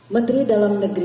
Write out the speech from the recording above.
menteri dalam negeri